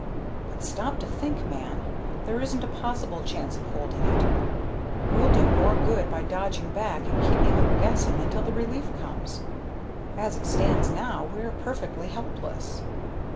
"But stop to think, man. There isn't a possible chance of holding it. We'll do more good by dodging back and keeping them guessing until the relief comes. As it stands now we are perfectly helpless."